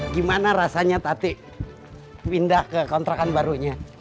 gimana rasanya tati pindah ke kontrakan barunya